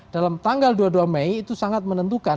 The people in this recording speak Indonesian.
dalam tanggal dua puluh dua mei itu sangat menentukan